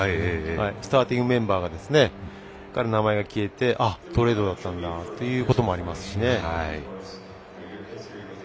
スターティングメンバーから名前が消えてトレードだったんだということもありますから。